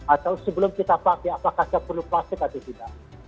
atau sebelum kita pakai apakah saya perlu plastik atau tidak